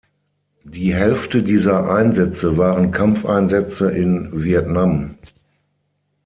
Die Hälfte dieser Einsätze waren Kampfeinsätze in Vietnam.